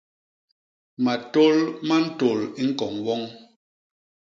Matôl ma ntôl i ñkoñ woñ.